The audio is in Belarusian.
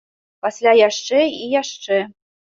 Пасля яшчэ і яшчэ.